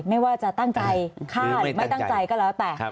ไม่ว่าจะตั้งใจฆ่าหรือไม่ตั้งใจก็แล้วแต่